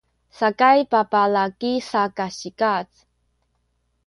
sakay babalaki sa kasikaz